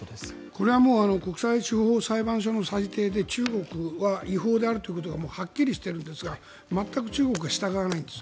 これはもう国際司法裁判所の裁定で中国は違法であるということがはっきりしているんですが全く中国は従わないんです。